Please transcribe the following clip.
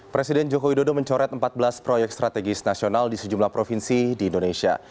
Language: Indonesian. presiden joko widodo mencoret empat belas proyek strategis nasional di sejumlah provinsi di indonesia